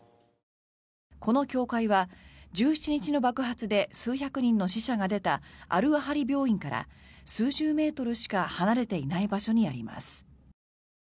この教会は１７日の爆発で数百人の死者が出たアル・アハリ病院から数十メートルしか離れていない場所にあります。